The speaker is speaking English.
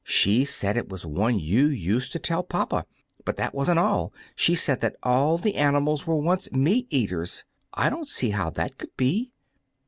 She said it was one you used to tell to papa. But that was n't all : she said that all the animals were once meat eaters. I don't see how that could be."